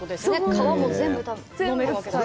皮も全部、飲めるわけだから。